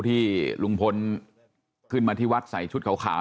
ที่ลุงพลขึ้นมาที่วัดใส่ชุดขาว